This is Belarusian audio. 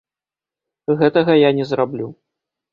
Гэтага я не зраблю.